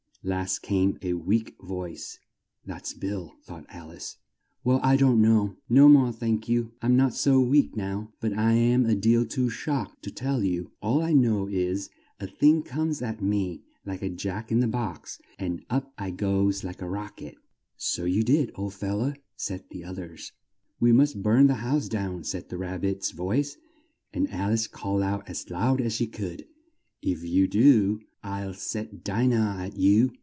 Last came a weak voice ("That's Bill," thought Al ice), "Well, I don't know no more, thank'ye, I'm not so weak now but I'm a deal too shocked to tell you all I know is, a thing comes at me like a Jack in the box, and up I goes like a rocket." "So you did, old fel low," said the oth ers. "We must burn the house down," said the Rab bit's voice, and Al ice called out as loud as she could, "If you do, I'll set Di nah at you!"